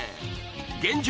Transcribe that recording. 現状